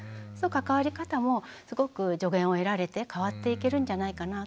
関わり方もすごく助言を得られて変わっていけるんじゃないかな。